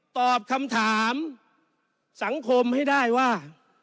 ตอบคำถามสังคมให้ได้ว่า